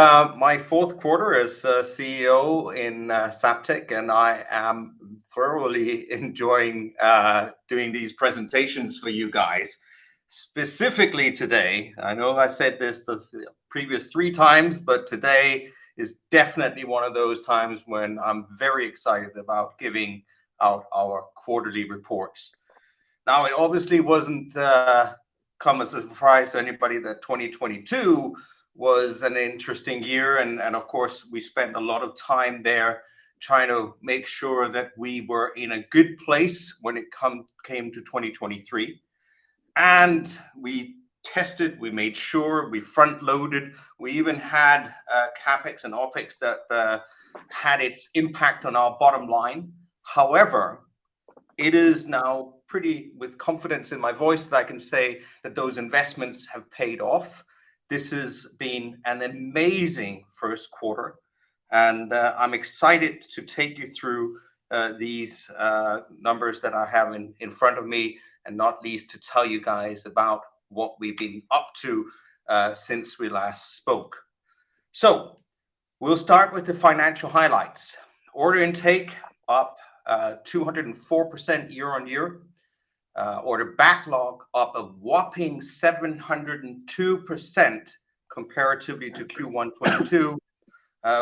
My 4th 1/4 as CEO in Zaptec, and I am thoroughly enjoying doing these presentations for you guys. Specifically today, I know I said this the previous 3 times, but today is definitely one of those times when I'm very excited about giving out our quarterly reports. It obviously wasn't come as a surprise to anybody that 2022 was an interesting year and of course, we spent a lot of time there trying to make sure that we were in a good place when it came to 2023. We tested, we made sure, we Front-loaded. We even had CapEx and OpEx that had its impact on our bottom line. It is now pretty, with confidence in my voice, that I can say that those investments have paid off. This has been an amazing first 1/4. I'm excited to take you through these numbers that I have in front of me, not least, to tell you guys about what we've been up to since we last spoke. We'll start with the financial highlights. Order intake up 204% year-on-year. Order backlog up a whopping 702% comparatively to Q1 2022.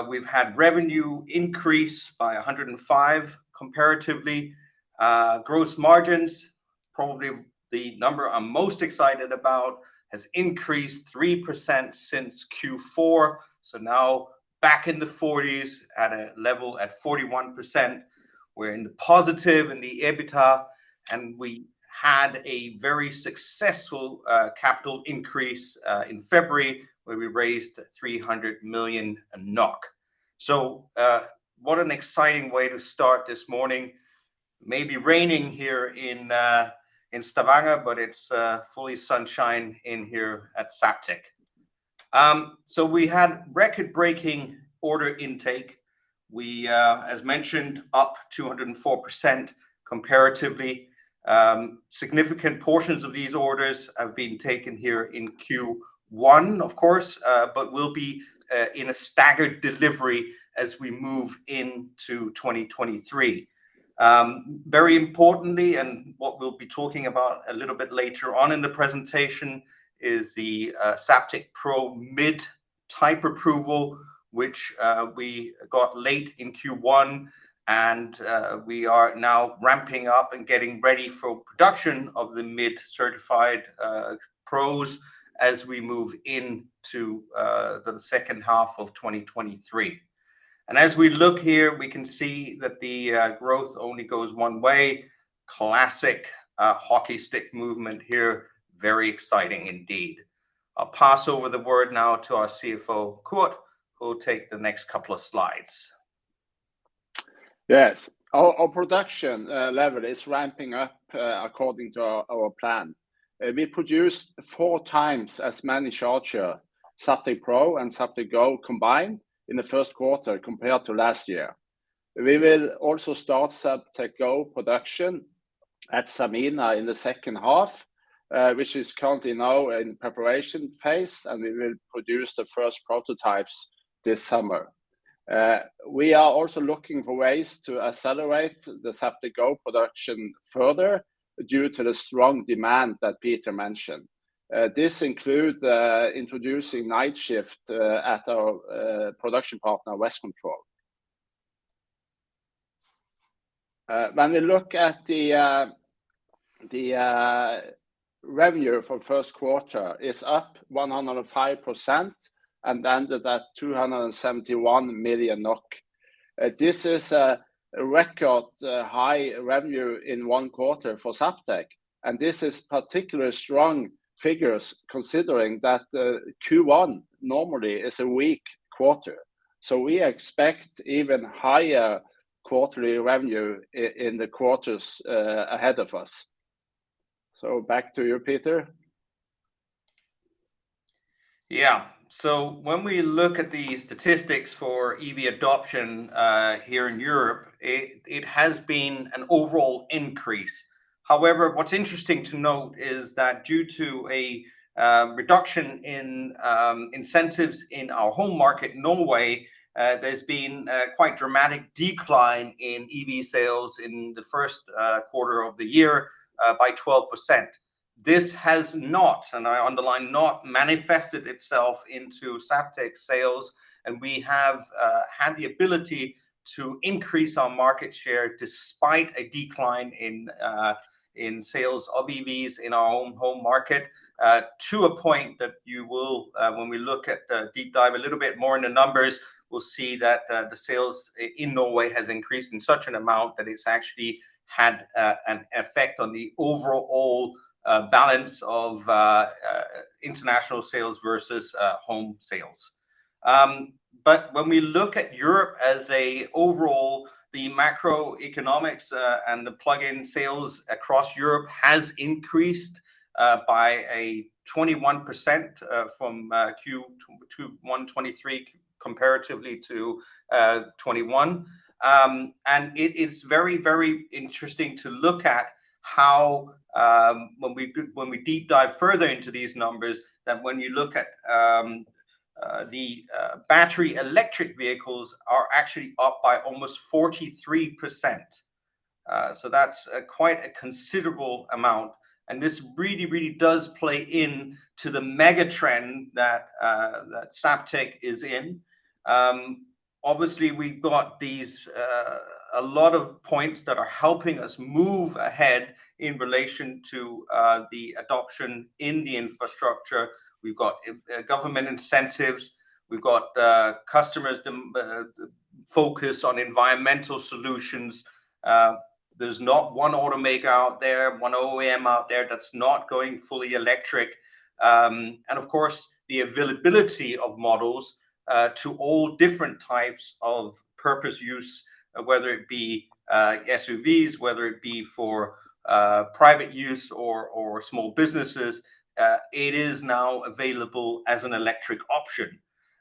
We've had revenue increase by 105% comparatively. Gross margins, probably the number I'm most excited about, has increased 3% since Q4, now back in the 40s at a level at 41%. We're in the positive in the EBITDA. We had a very successful capital increase in February, where we raised 300 million NOK. What an exciting way to start this morning. Maybe raining here in Stavanger, it's fully sunshine in here at Zaptec. We had record-breaking order intake. We, as mentioned, up 204% comparatively. Significant portions of these orders have been taken here in Q1, of course, will be in a staggered delivery as we move into 2023. Very importantly, and what we'll be talking about a little bit later on in the presentation, is the Zaptec Pro MID type approval, which we got late in Q1, we are now ramping up and getting ready for production of the MID-certified Pros as we move into the second 1/2 of 2023. As we look here, we can see that the growth only goes one way. Classic hockey stick movement here. Very exciting indeed. I'll pass over the word now to our CFO, Kurt, who will take the next couple of Slides. Yes. Our production level is ramping up according to our plan. We produced 4 times as many charger, Zaptec Pro and Zaptec Go combined in the first 1/4 compared to last year. We will also start Zaptec Go production at Sanmina in the second 1/2, which is currently now in preparation phase, and we will produce the first prototypes this summer. We are also looking for ways to accelerate the Zaptec Go production further due to the strong demand that Peter mentioned. This include introducing night shift at our production partner, Westcontrol. When we look at the revenue for first 1/4 is up 105% and ended at NOK 271 million. This is a record-high revenue in one 1/4 for Zaptec, and this is particular strong figures considering that Q1 normally is a weak 1/4. We expect even higher 1/4ly revenue in the 1/4s ahead of us. Back to you, Peter. When we look at the statistics for EV adoption here in Europe, it has been an overall increase. However, what's interesting to note is that due to a reduction in incentives in our home market, Norway, there's been a quite dramatic decline in EV sales in the first 1/4 of the year by 12%. This has not, and I underline not, manifested itself into Zaptec sales. We have had the ability to increase our market share despite a decline in sales of EVs in our own home market to a point that you will when we look at deep dive a little bit more in the numbers, we'll see that the sales in Norway has increased in such an amount that it's actually had an effect on the overall balance of international sales versus home sales. When we look at Europe as a overall, the macroeconomics and the Plug-in sales across Europe has increased by a 21% from Q2 to 1 2023 comparatively to 2021. It is very, very interesting to look at how, when we deep dive further into these numbers, when you look at battery electric vehicles are actually up by almost 43%. That's quite a considerable amount, and this really, really does play into the mega trend that Zaptec is in. Obviously, we've got a lot of points that are helping us move ahead in relation to the adoption in the infrastructure. We've got government incentives. We've got customers' focus on environmental solutions. There's not one automaker out there, one OEM out there, that's not going fully electric. Of course, the availability of models to all different types of purpose use, whether it be SUVs, whether it be for private use or small businesses, it is now available as an electric option.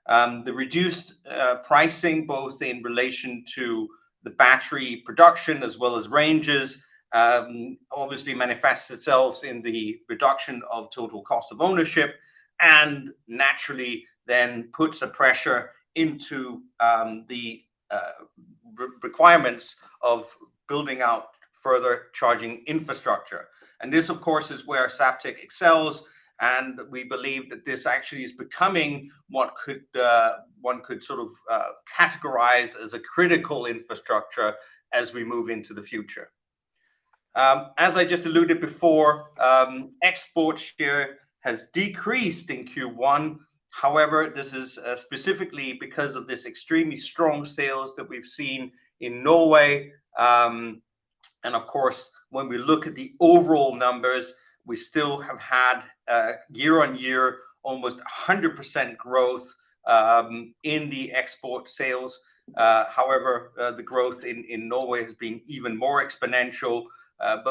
The reduced pricing, both in relation to the battery production as well as ranges, obviously manifests itself in the reduction of total cost of ownership and naturally then puts a pressure into the requirements of building out further charging infrastructure. This of course is where Zaptec excels, and we believe that this actually is becoming what one could sort of categorize as a critical infrastructure as we move into the future. As I just alluded before, export share has decreased in Q1. However, this is specifically because of this extremely strong sales that we've seen in Norway. Of course, when we look at the overall numbers, we still have had year-on-year almost 100% growth in the export sales. However, the growth in Norway has been even more exponential.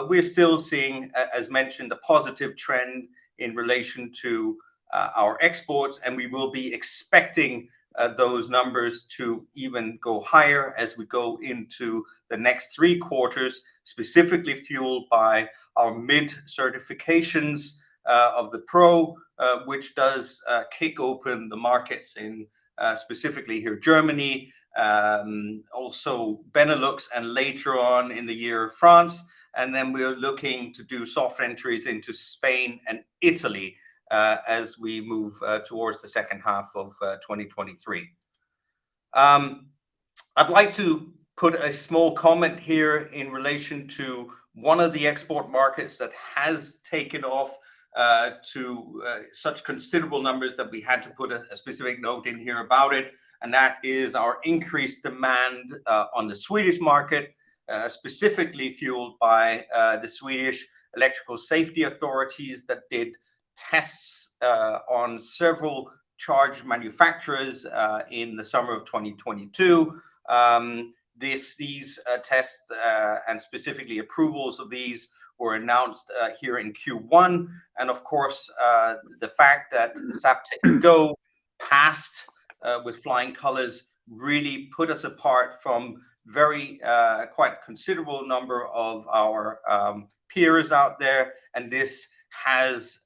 We're still seeing, as mentioned, a positive trend in relation to our exports, and we will be expecting those numbers to even go higher as we go into the next 3 1/4s, specifically fueled by our MID certifications of the Pro, which does kick open the markets in specifically here Germany, also Benelux, and later on in the year, France. We're looking to do soft entries into Spain and Italy, as we move towards the second 1/2 of 2023. I'd like to put a small comment here in relation to one of the export markets that has taken off to such considerable numbers that we had to put a specific note in here about it. That is our increased demand on the Swedish market specifically fueled by the Swedish Electrical Safety Authority that did tests on several charge manufacturers in the summer of 2022. These tests and specifically approvals of these, were announced here in Q1. Of course, the fact that Zaptec Go passed with flying colors really put us apart from very, a quite considerable number of our peers out there, and this has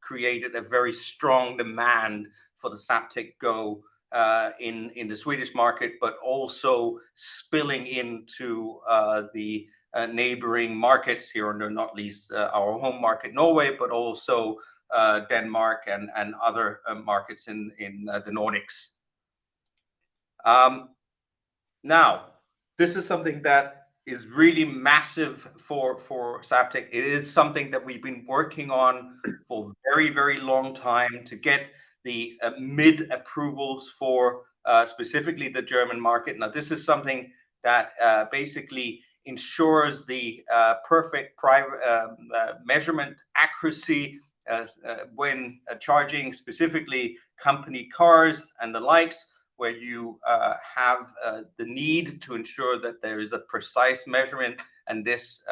created a very strong demand for the Zaptec Go in the Swedish market, but also spilling into the neighboring markets here, and not least, our home market, Norway, but also Denmark and other markets in the Nordics. Now this is something that is really massive for Zaptec. It is something that we've been working on for a very long time, to get the MID approvals for specifically the German market. Now this is something that basically ensures the perfect measurement accuracy as when charging specifically company cars and the likes, where you have the need to ensure that there is a precise measurement, and this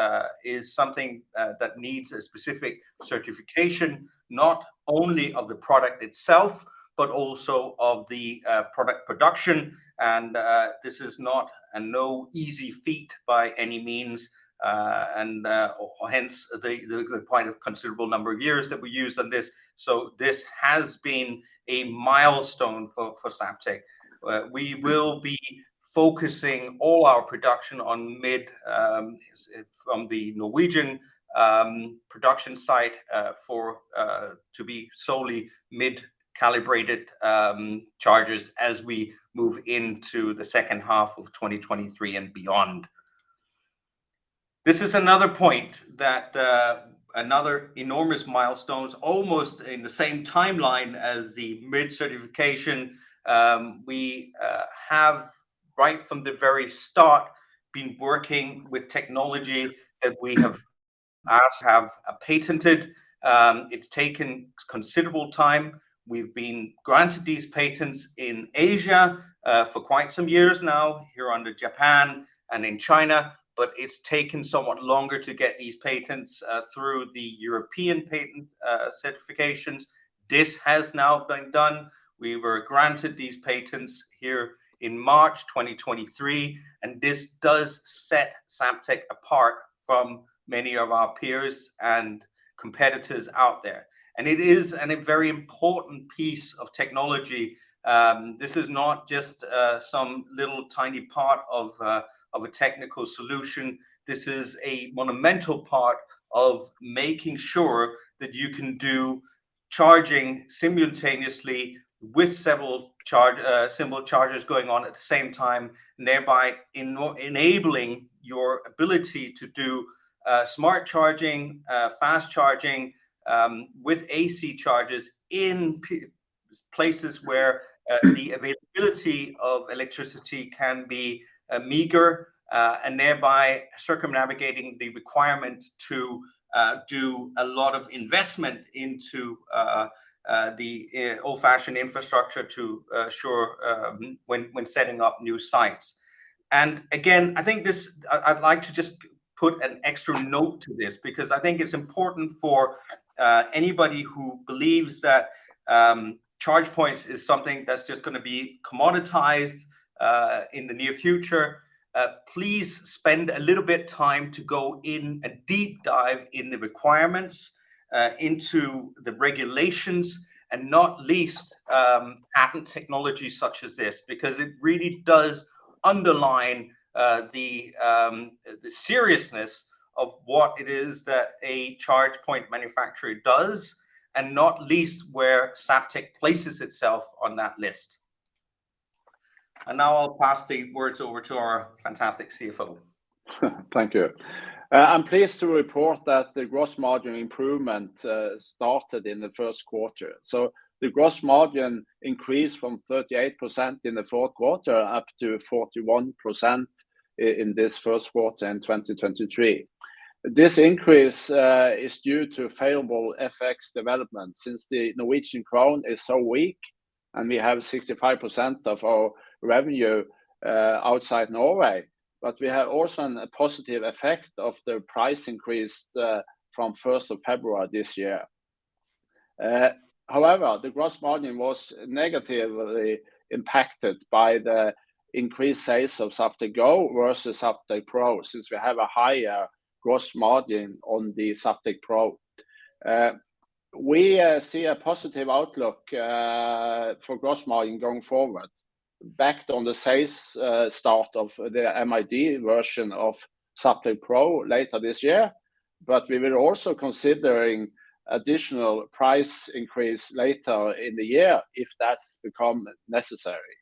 is something that needs a specific certification, not only of the product itself, but also of the product production. This is not, and no easy feat by any means, and or hence the quite a considerable number of years that we used on this. This has been a milestone for Zaptec. We will be focusing all our production on MID from the Norwegian production site, for to be solely MID calibrated, chargers as we move into the second 1/2 of 2023 and beyond. This is another point that, another enormous milestone. It's almost in the same timeline as the MID certification. We have, right from the very start, been working with technology that we have patented. It's taken considerable time. We've been granted these patents in Asia, for quite some years now, here under Japan and in China, but it's taken somewhat longer to get these patents through the European patent certifications. This has now been done. We were granted these patents here in March 2023, this does set Zaptec apart from many of our peers and competitors out there. It is a very important piece of technology. This is not just some little tiny part of a technical solution. This is a monumental part of making sure that you can do charging simultaneously with several chargers going on at the same time, thereby enabling your ability to do smart charging, fast charging, with AC chargers in places where the availability of electricity can be meager, and thereby circumnavigating the requirement to do a lot of investment into the old-fashioned infrastructure to sure, when setting up new sites. Again, I think this... I'd like to just put an extra note to this because I think it's important for anybody who believes that charge points is something that's just gonna be commoditized in the near future, please spend a little bit time to go in a deep dive in the requirements, into the regulations, and not least, patent technology such as this because it really does underline the seriousness of what it is that a charge point manufacturer does, and not least where Zaptec places itself on that list. Now I'll pass the words over to our fantastic CFO. Thank you. I'm pleased to report that the gross margin improvement started in the first 1/4. The gross margin increased from 38% in the 4th 1/4 up to 41% in this first 1/4 in 2023. This increase is due to favorable FX development since the Norwegian krone is so weak, and we have 65% of our revenue outside Norway. We have also a positive effect of the price increase from first of February this year. However, the gross margin was negatively impacted by the increased sales of Zaptec Go versus Zaptec Pro, since we have a higher gross margin on the Zaptec Pro. We see a positive outlook for gross margin going forward, backed on the sales start of the MID version of Zaptec Pro later this year. We will also considering additional price increase later in the year if that's become necessary.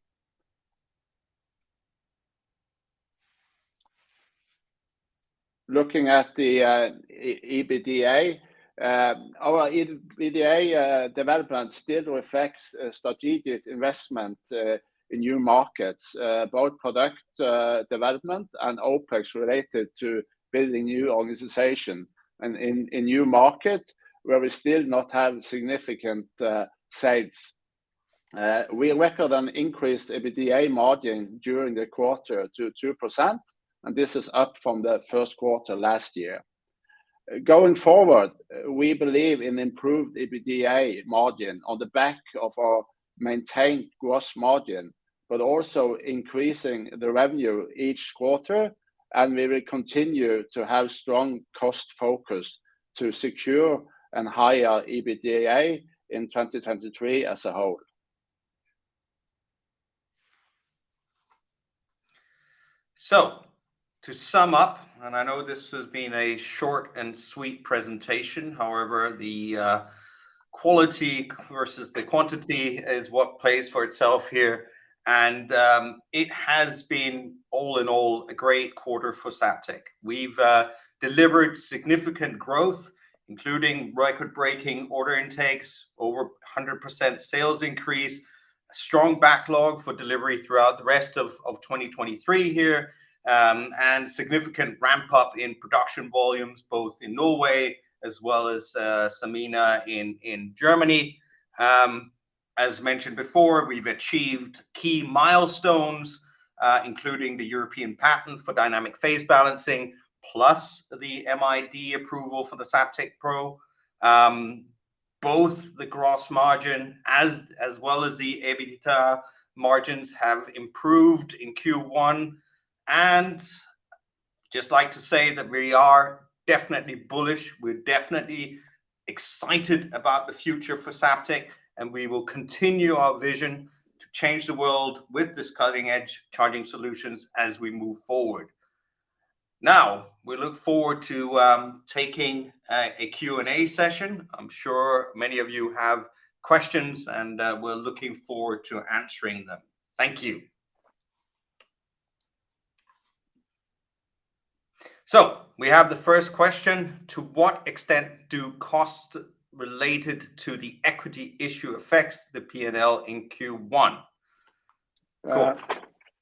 Looking at the EBITDA. Our EBITDA development still reflects strategic investment in new markets, both product development and OpEx related to building new organization and in new market where we still not have significant sales. We record an increased EBITDA margin during the 1/4 to 2%, and this is up from the first 1/4 last year. Going forward, we believe in improved EBITDA margin on the back of our maintained gross margin, also increasing the revenue each 1/4. We will continue to have strong cost focus to secure and higher EBITDA in 2023 as a whole. To sum up, I know this has been a short and sweet presentation. However, the quality versus the quantity is what plays for itself here. It has been all in all a great 1/4 for Zaptec. We've delivered significant growth, including record-breaking order intakes, over 100% sales increase, strong backlog for delivery throughout the rest of 2023 here, and significant ramp up in production volumes, both in Norway as well as Sanmina in Germany. As mentioned before, we've achieved key milestones, including the European patent for dynamic phase balancing, plus the MID approval for the Zaptec Pro. Both the gross margin as well as the EBITDA margins have improved in Q1. Just like to say that we are definitely bullish, we're definitely excited about the future for Zaptec, and we will continue our vision to change the world with this cutting-edge charging solutions as we move forward. Now, we look forward to taking a Q&A session. I'm sure many of you have questions. We're looking forward to answering them. Thank you. We have the first question. To what extent do costs related to the equity issue affects the P&L in Q1?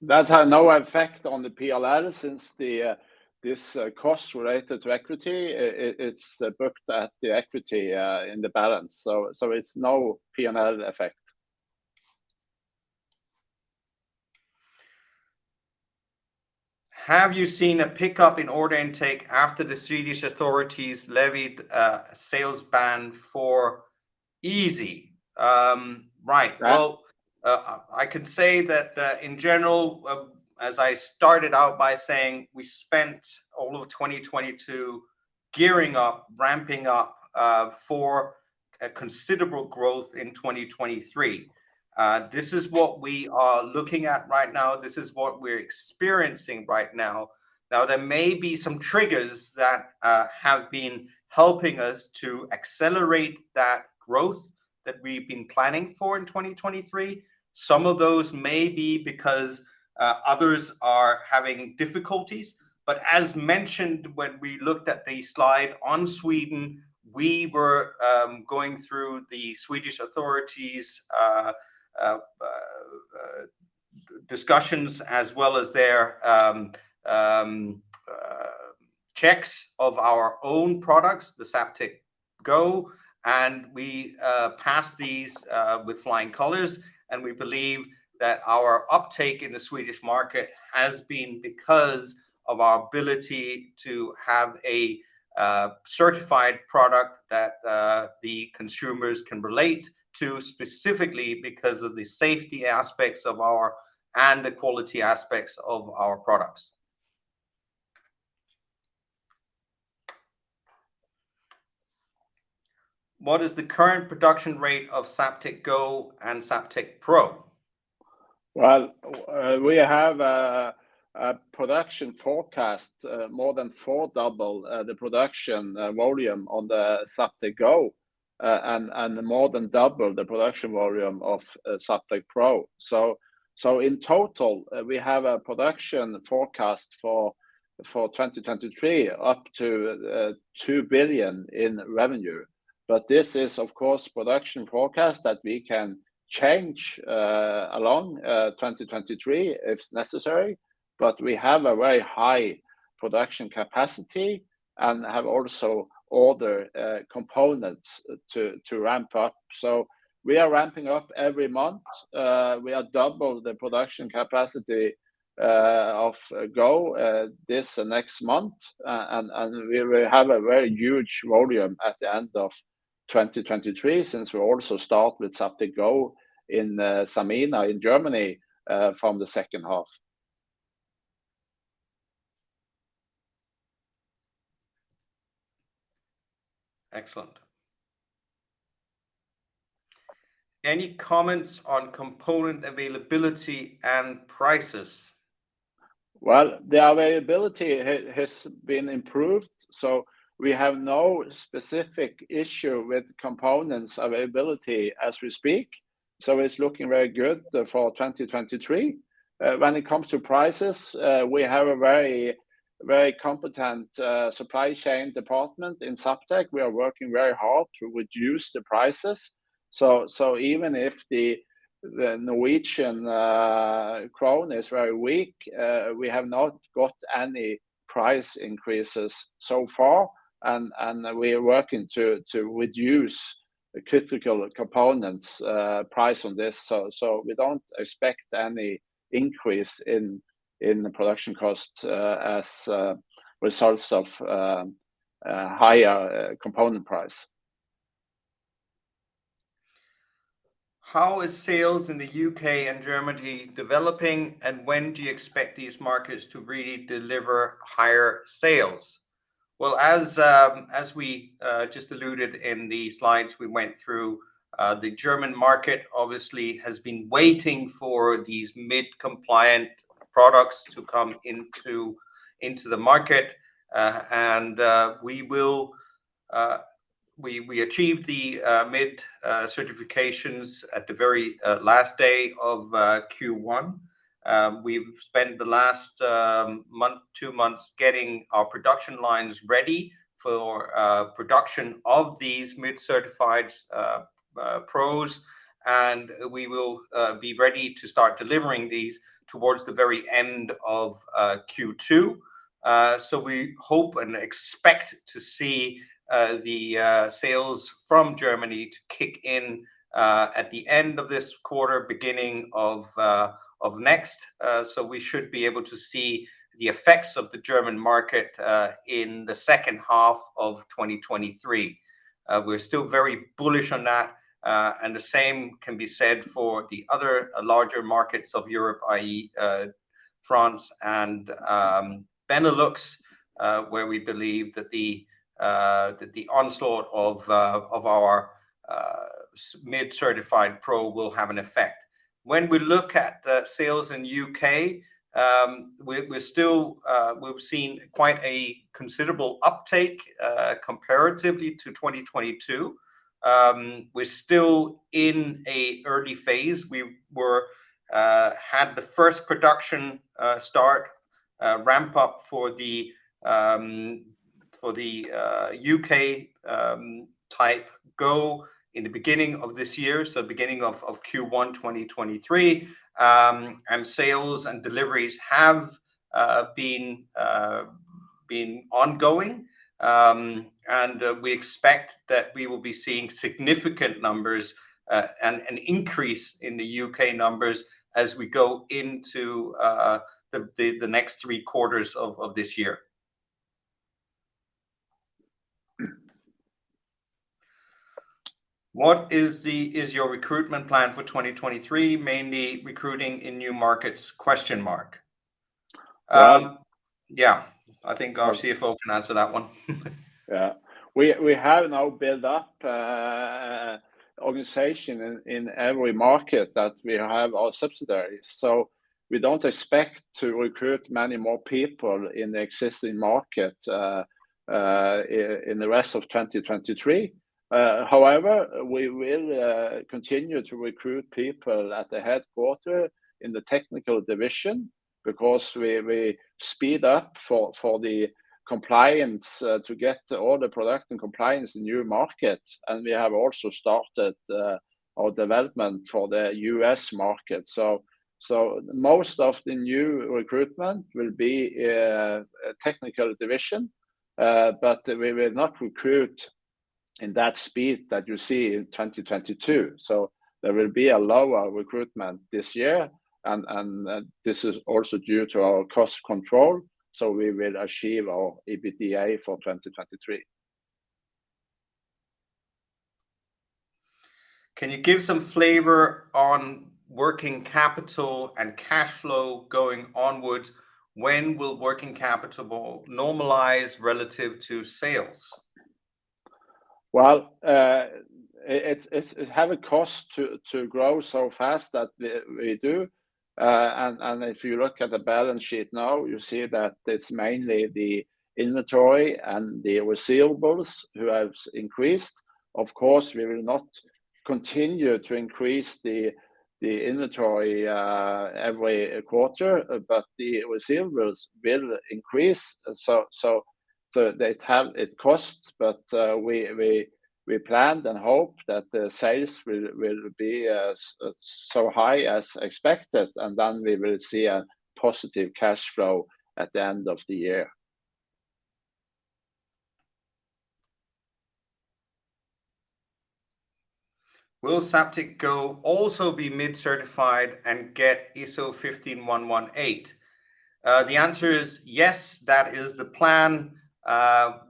That had no effect on the P&L since the this cost related to equity. It's booked at the equity in the balance. It's no PNL effect. Have you seen a pickup in order intake after the Swedish authorities levied a sales ban for Easee? Right. Yeah. Well, I can say that, in general, as I started out by saying, we spent all of 2022 gearing up, ramping up, for a considerable growth in 2023. This is what we are looking at right now. This is what we're experiencing right now. Now, there may be some triggers that have been helping us to accelerate that growth that we've been planning for in 2023. Some of those may be because others are having difficulties. As mentioned when we looked at the Slide on Sweden, we were going through the Swedish authorities' discussions as well as their checks of our own products, the Zaptec Go, and we passed these with flying colors. We believe that our uptake in the Swedish market has been because of our ability to have a certified product that the consumers can relate to, specifically because of the safety aspects of our... and the quality aspects of our products. What is the current production rate of Zaptec Go and Zaptec Pro? We have a production forecast, more than 4x the production volume on the Zaptec Go, and more than 2x the production volume of Zaptec Pro. In total, we have a production forecast for 2023 up to 2 billion in revenue. This is of course production forecast that we can change along 2023 if necessary. We have a very high production capacity and have also order components to ramp up. We are ramping up every month. We are 2x the production capacity of Go this and next month. We will have a very huge volume at the end of 2023 since we also start with Zaptec Go in Sanmina in Germany from the second 1/2. Excellent. Any comments on component availability and prices? Well, the availability has been improved, so we have no specific issue with components availability as we speak. It's looking very good for 2023. When it comes to prices, we have a very, very competent supply chain department in Zaptec. We are working very hard to reduce the prices. Even if the Norwegian krone is very weak, we have not got any price increases so far, and we are working to reduce critical components price on this. We don't expect any increase in the production cost as a result of a higher component price. How is sales in the UK and Germany developing, and when do you expect these markets to really deliver higher sales? Well, as as we just alluded in the Slides we went through, the German market obviously has been waiting for these MID-compliant products to come into the market. We achieved the MID certifications at the very last day of Q1. We've spent the last month, 2 months getting our production lines ready for production of these MID-certified Pros. We will be ready to start delivering these towards the very end of Q2. We hope and expect to see the sales from Germany to kick in at the end of this 1/4, beginning of next. We should be able to see the effects of the German market in the second 1/2 of 2023. We're still very bullish on that. The same can be said for the other larger markets of Europe, i.e., France and Benelux, where we believe that the onslaught of our MID-certified Pro will have an effect. When we look at the sales in U.K., we're still we've seen quite a considerable uptake comparatively to 2022. We're still in a early phase. We were had the first production start ramp up for the U.K. type Go in the beginning of this year, so beginning of Q1 2023, sales and deliveries have been ongoing. We expect that we will be seeing significant numbers and an increase in the UK numbers as we go into the next 3 1/4s of this year. What is your recruitment plan for 2023, mainly recruiting in new markets? Yeah, I think our CFO can answer that one. Yeah. We have now built up a organization in every market that we have our subsidiaries, so we don't expect to recruit many more people in the existing market in the rest of 2023. However, we will continue to recruit people at the head1/4 in the technical division because we speed up for the compliance to get all the product and compliance in new markets, and we have also started our development for the US market. Most of the new recruitment will be technical division, but we will not recruit in that speed that you see in 2022. There will be a lower recruitment this year and this is also due to our cost control, so we will achieve our EBITDA for 2023. Can you give some flavor on working capital and cash flow going onwards? When will working capital normalize relative to sales? Well, it have a cost to grow so fast that we do. If you look at the balance sheet now, you see that it's mainly the inventory and the receivables who have increased. Of course, we will not continue to increase the inventory every 1/4, but the receivables will increase. They have it costs, but we planned and hope that the sales will be as so high as expected. Then we will see a positive cash flow at the end of the year. Will Zaptec Go also be MID certified and get ISO 15118? The answer is yes, that is the plan.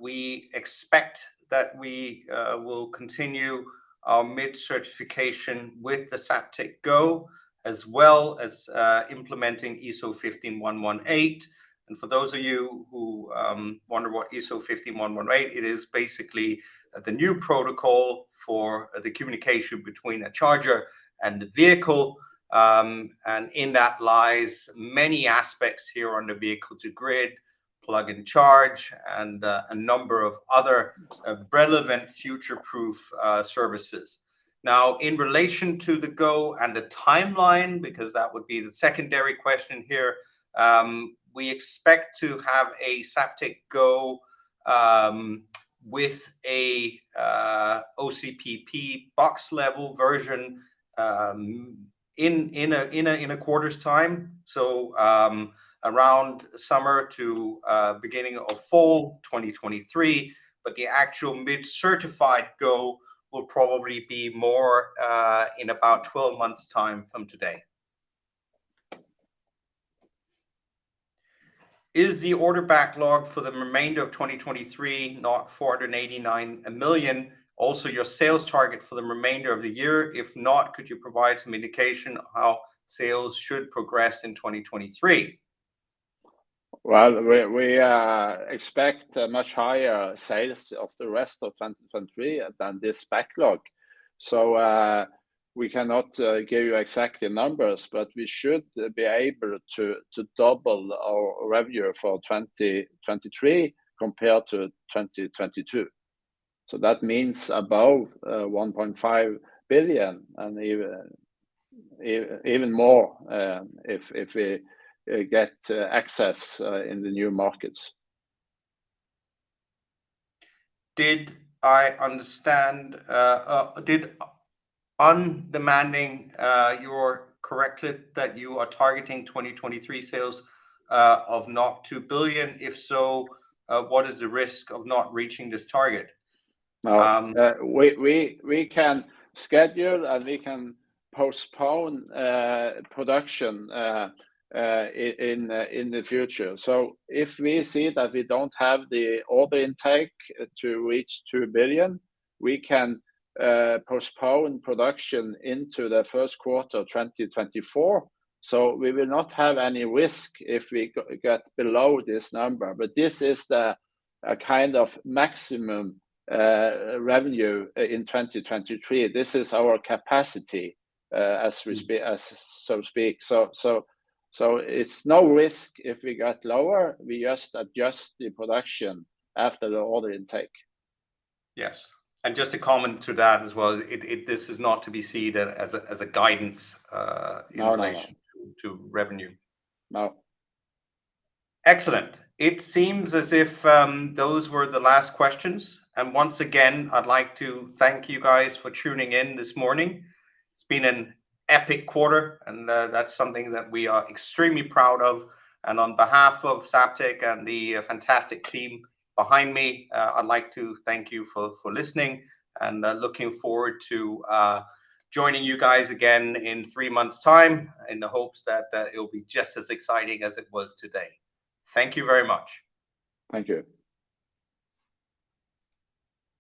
We expect that we will continue our MID certification with the Zaptec Go, as well as implementing ISO 15118. For those of you who wonder what ISO 15118, it is basically the new protocol for the communication between a charger and the vehicle. In that lies many aspects here on the vehicle to grid, plug and charge, and a number of other relevant future-proof services. Now, in relation to the Go and the timeline, because that would be the secondary question here, we expect to have a Zaptec Go with a OCPP box level version in a 1/4's time. Around summer to beginning of fall 2023. The actual MID certified Go will probably be more in about 12 months' time from today. Is the order backlog for the remainder of 2023 489 million also your sales target for the remainder of the year? If not, could you provide some indication how sales should progress in 2023? Well, we expect much higher sales of the rest of 2023 than this backlog. We cannot give you exact numbers, but we should be able to double our revenue for 2023 compared to 2022. That means above 1.5 billion, and even more if we get access in the new markets. Uncertain, you're correct that you are targeting 2023 sales of 2 billion? If so, what is the risk of not reaching this target? No. We can schedule, and we can postpone production in the future. If we see that we don't have the order intake to reach 2 billion, we can postpone production into the first 1/4 2024. We will not have any risk if we get below this number. This is the kind of maximum revenue in 2023. This is our capacity as so speak. It's no risk if we get lower. We just adjust the production after the order intake. Yes. Just a comment to that as well, this is not to be seen as a guidance. No, no.... in relation to revenue. No. Excellent. It seems as if those were the last questions. Once again, I'd like to thank you guys for tuning in this morning. It's been an epic 1/4, and that's something that we are extremely proud of. On be1/2 of Zaptec and the fantastic team behind me, I'd like to thank you for listening and looking forward to joining you guys again in 3 months' time in the hopes that it'll be just as exciting as it was today. Thank you very much. Thank you.